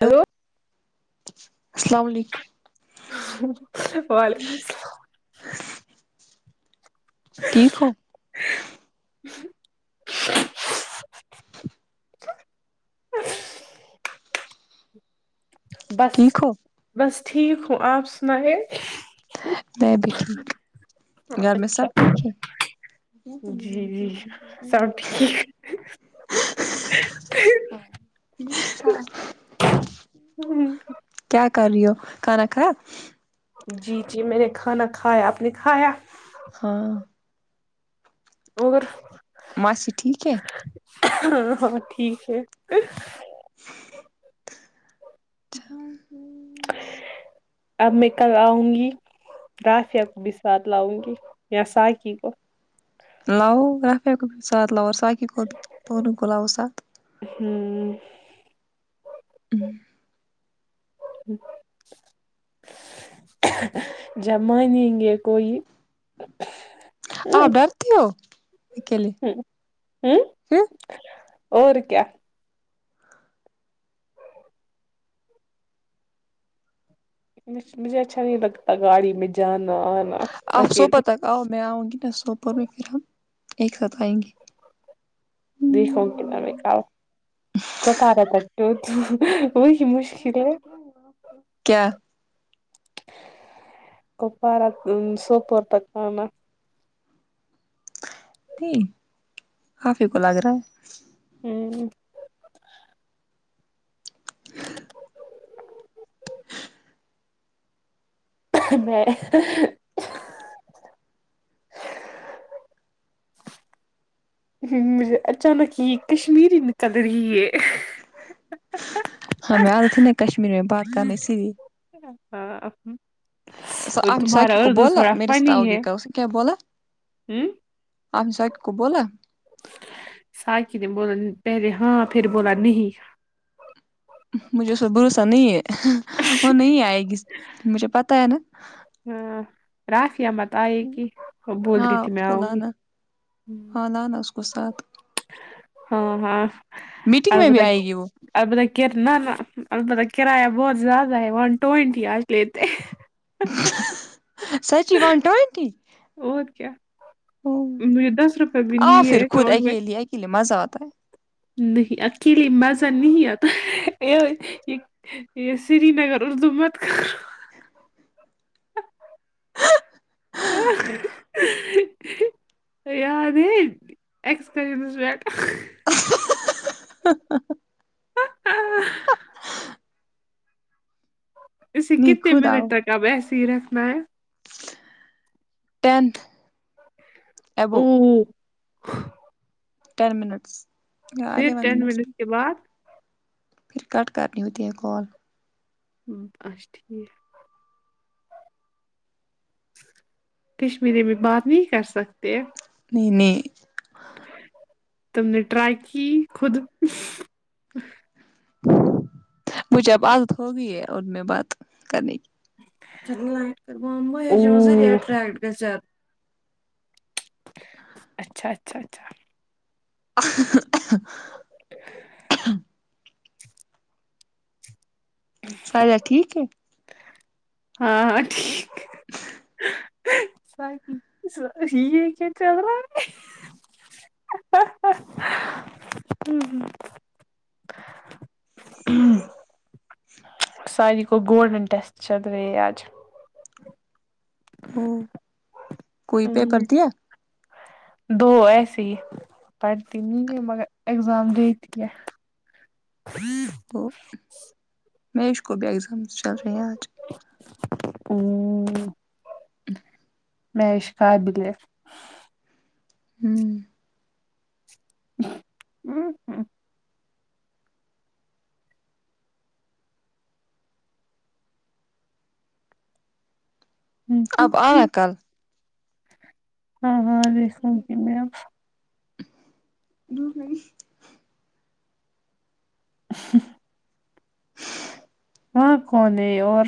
hello السلام علیکم وعلیکم السلام ٹھیک ہو بس ٹھیک ہو بس ٹھیک ہوں آپ سنائے میں بھی ٹھیک گھر میں اچھا سب ٹھیک ہے جی جی سب ٹھیک کیا کر رہی ہو کھانا کھایا جی جی میں نے کھانا کھایا آپ نے کھایا ہاں آور ماسی ٹھیک ہے ہاں ہاں ٹھیک ہے اب میں کل آؤں گی رافیہ کو بھی ساتھ لاؤں گی یا ساکی کو لاو رافیا کو بھی ساتھ لاو اور ساکی کو بھی دونوں کو لاو ساتھ ہمم جب مانیں گے کوئی آپ ڈرتی ہو اکیلے ہ ہوں پھر اور کیا مجھے اچھا نہیں لگتا گاڑی میں جانا انا آپ اکیلے سوبا تک آؤ میں آؤں گی نہ سوپ میں پھر ہم ایک ساتھ آئیں گے دیکھو کتانا میںکاپ [unintelligible] وہی مشکل ہے کیا کپارا سوپ اور تک میں نہیں اپ ہی کو لگ رہا ہے ہمم میں ہ مجھے اچانک یہ کشمیری نکل رہی ہے ہمیں عادت ہے نا کشمیری میں بات کرنے اسی لیے ہاں اور آپ نے تمہارا ساکی کو اردو بولا تھوڑا میرے ساتھ آؤ گے کل اس نے کیا بولا ہوں آپ نے ساکی کو بولا ساکی نے بولا پہلے ہاں پھر بولا نہیں مجھے اس پے بھروسا نہیں ہے وہ نہیں آئے گی مجھے پتا ہے نا ہاں رافیا بتئگی وہ بول دی ہاں تھی اس میں کو آؤں گی لانا ہاں لانا اس کو ساتھ ہاں ہاں آ میٹنگ میں بت بھی آئے گی وہ البتہ کرنا نہ البتہ کرایہ بہت زیادہ ہے ون ٹوینٹی آج لیتے ہے سچی ون ٹوئنٹی اور کیا وہ مجھے دس روپے بھی آ نہیں پھر ہے خود اکاؤنٹ میں اکیلے اکیلے مزہ آتا ہے نہیں اکیلے مزہ نہیں آتا یہ یہ سری نگر اردو مت ہ یاد ہے اکسکریمشرٹ ہ اسے نہیں کتنے خود منٹ آؤ تک اب ایسے ہی رکھنا ہے ٹین ابو اوو ٹین منٹس یہ پھر آگیے ون ٹین منٹس منٹ بھی کے بعد پھر کٹ کرنی ہوتی ہے کال ام اچھا ٹھیک کشمیری میں بات نہیں کر سکتے نہیں نہیں تم نے ٹرائی کی خود مجھے اب عادت ہوگئی ہے اور میں بات کرنے کی او اچھا اچھا سایا ٹھیک ہے ہاں ہاں ٹھیک یہ کیا چلرا ہے ہمم ہوں ساریی کو گولڈن ٹیسٹ چل رے آج ہوں ہوں دو ایسی پڑھتی نہیں ہیں مگر اگزام دے دیا وہ میرچ کو بھی ایگزامس چل رہے ہیں آج ہوں ا میش قابل ہے ہوں ہوں ہوں ہوں اب آیا کل ہاں ہاں ابھی سمجھی میں جھوٹ نہیں وہاں کون ہے اور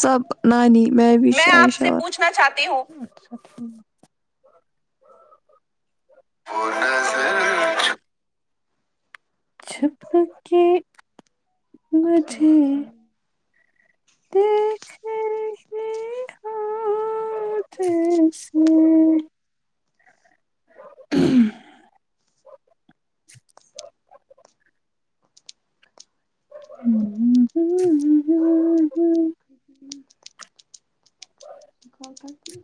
سب نانی مہوش عایئشہ اور نا چاہتی ہوں اچھا ٹھیک وہ نظر چھ چھپ کے [unintelligible] دیکھنی [unintelligible] ہوں جیسے ہوں ا کال کٹ گی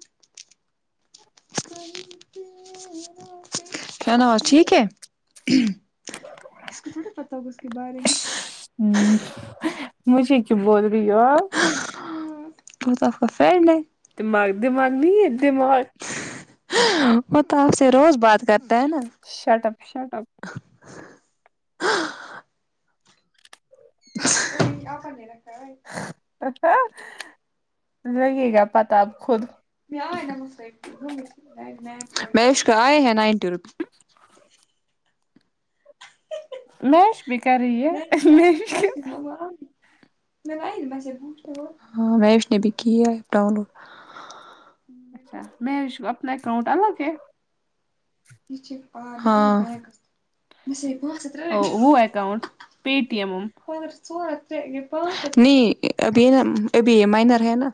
شاہنواز ٹھیک ہےاسکو تھوڑی پتا ہوگا اسکے بارے میں ہ مجھے کیوں بول رہی ہو آپ ہ وہ تو اپکا فرینڈ ہے دماغ دماغ نہیں ہے دماغ وہ تو آپ سے روز بات کرتا ہے نا شٹ اپ شٹ اپ کیا پڑھنے لگے گا پتا اب خود مش کا آئے ہیں نائنٹی روپ نوش بھی کر رہی ہے [unintelligible] [unintelligible] ہاں میش نے بھی کی ہے ڈاؤن لوڈ اچھا میش اپنا اکاؤنٹ الگ ہے ہاں او وہ اکاؤنٹ پے ٹی ایمم پر [unintelligible] نہیں ابھی ہے نا ابھی یے مائنر ہے نا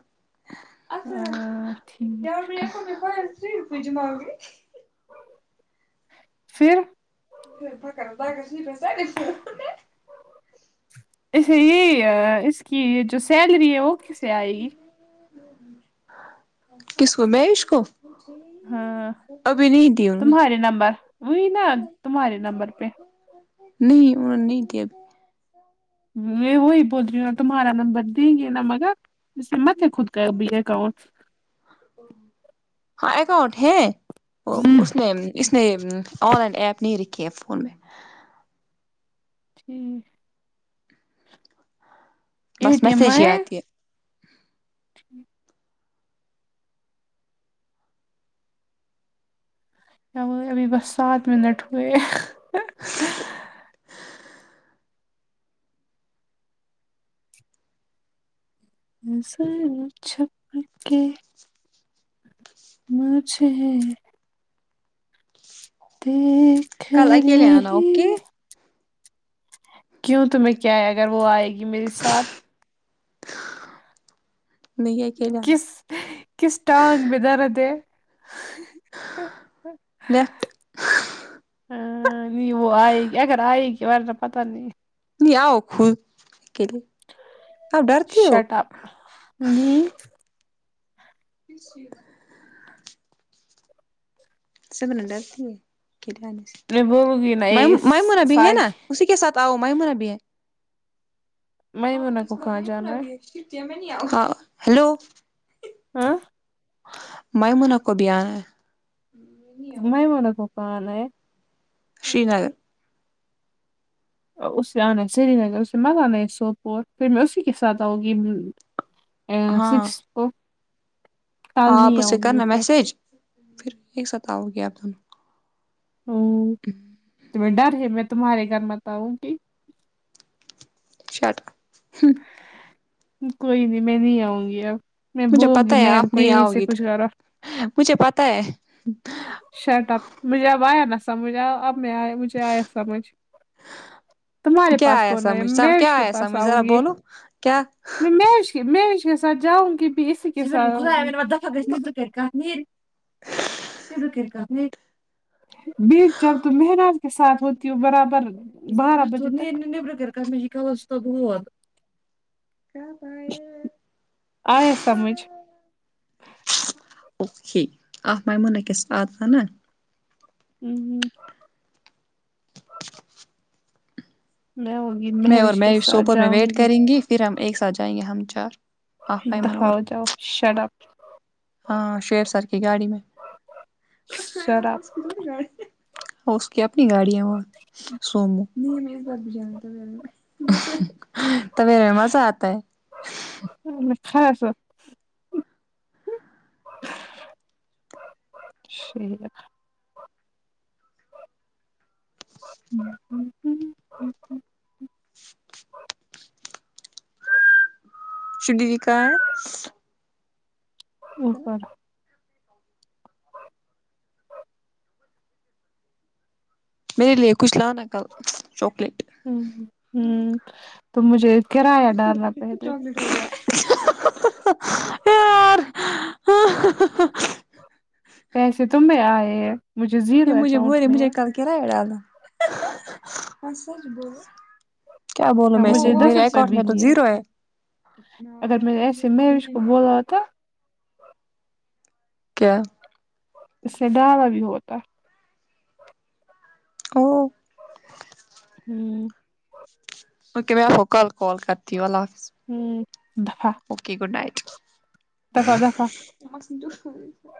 ٹھیک [unintelligible] فیر [unintelligible] اسے یے اس کی یے جو سیلری ہے وہ کیسے آئے گی کس کو میش کو ہاں ابھی نہیں دی انہوں نے تمہارے نمبر وہی نا تمہارے نمبر پے نہیں انہوں نے نہیں دیا میں وہی بول رہی ہو نہ تمہارا نمبر دیں گے مگر اسے مت خود کا ابی اکاؤنٹ ہ ہاں اکاؤنٹ ہے اس نے اس نے آن لائن ایپ نہیں رکھی ہے فون میں ٹھیک اے بس ٹی ایم میسیج ہی آئے آتی ہے یار ابھی بس سات منٹ ہوئے [unintelligible] مجھے دیکھ کل اکیلے آنا رہی اوکے کیوں تو میں کیا ہے اگر وہ آئے گی میرے ساتھ نہیں اکیلے کس آنا کس ٹانگ میں درد ہے لفت ہاں نہیں وہ آئے گی اگر آئے گی اور پتا نہیں کبھی آؤ خود اکےلے شٹاپ نہیں [unintelligible] [unintelligible] میں بولو گی نہ اس میمونہ بھی ہے نا [unintelligible] اسی کے ساتھ آؤ میمونہ بی ہے ہاں ہاں میمونہ کو اس پر کہاں میمونہ جانا ہے بھی ہے [unintelligible] ہاں ہیلو ہاں میمونہ کو بھی آیا ہے میمونہ کو کال ہے شری نگر اسے آنا ہے سری نگر اس سے مگا نا ایک سوپ اور پھر میں اسی کے ساتھ آؤں گی اے آ ہاں سیکس جو ہاں آپ اس سے کرنا میسج پھر ایک ساتھ آؤ گے آپ دونوں آمم تمے ڈر ہے میں تمہارے گھر مت آو گی شٹ اپ ہمم کوئی نہیں میں نہیں آؤں گی اب میں مجھے بولوں گی پتا ہے میم آپ کو نہیں یہیں آؤ سے گی کچھ تو کرو مجھے پتا ہے شرٹ آپ مجھے آب آیا نا سمجھ اب میں آیا مجھے آیا سمجھ تمہارے کیا پاس آیا کون ہے سمجھ محش کیا کے آیا پاس سمجھ آؤں ذرا گی بولو کیا میں مش میں ہیش کے ساتھ جاؤں گی بھی اسی کے سات [unintelligible] [unintelligible] میر جب تم مہراج کے ساتھ ہوری ہو برابر بارہ بجنے [unintelligible] آیا سمجھ اوکے آپ میمونہ کے ساتھ آنا آمہم میں ان میں اور میں سوپور میں ویٹ کریں گی فیر ہم ایک ساتھ جائیں گے ہم چار آپ میمون اور داؤ جاؤ شٹ اپ ہاں شیر سر کی گاڑی میں شراب اس کی اپنی گاڑیں وہ سومو [unintelligible] [unintelligible] ہ ہ شددی کہا ہے اوپر میرے لیے کچھ لانا کل چاکلیٹ ہ ہ تو مجھے کرایہ ڈالنا پہلے یار پیسے تم میں آئے ہیں مجھے زیرو یہ مجھے بول اکاؤنٹ رہے میں مجھے ہے کل کرایہ ڈالنا ہاں سچ بولو کیا بولو اور میں مجھے دس میرے روپئے اکاؤنٹ بھی میں تو نہیں زیرو ہے اگر میں ایسے مہویش کو بولا ہو تھا کیا اس سے ڈالا بھی ہوتا او ہوں اوکے میں آپ کو کل کال کرتی ہوں اللہ حافظ ہوں دفع اوکے گڈ نائٹ دفع دفع [unintelligible]